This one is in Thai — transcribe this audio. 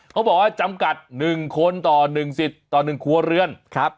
เขาบอกว่าจำกัด๑คนต่อ๑สิทธิ์ต่อ๑ครัวเรือนครับ